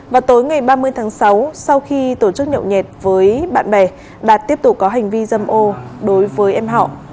vào tối ngày ba mươi tháng sáu sau khi tổ chức nhậu nhẹt với bạn bè đạt tiếp tục có hành vi dâm ô đối với em họ